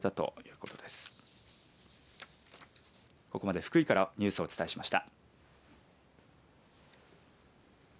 ここまで福井からニュースをお伝えしました。